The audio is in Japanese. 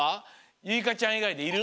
ゆいかちゃんいがいでいる？